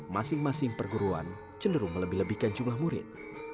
masing masing perguruan cenderung melebih lebihkan jumlah murid